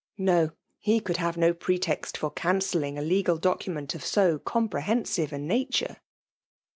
No! he could have no pretext for cancelling a legal document of so compre hensive a nature